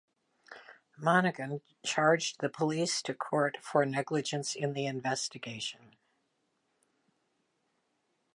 Monaghan charged the police to court for negligence in the investigation.